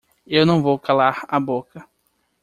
Eu não vou calar a boca!